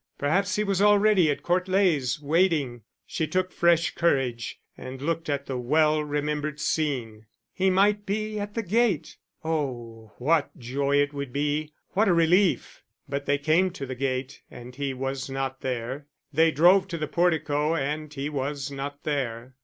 Perhaps he was already at Court Leys, waiting; she took fresh courage, and looked at the well remembered scene. He might be at the gate. Oh, what joy it would be, what a relief! But they came to the gate, and he was not there; they drove to the portico, and he was not there.